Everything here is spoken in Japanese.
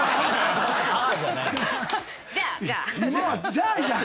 じゃあじゃあ。